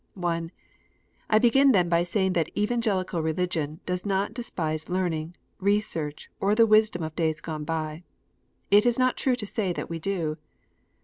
(1) I begin then by saying that Evangelical Religion does not despise learning, research, or the wisdom of days gone by. It is not true to say that we do.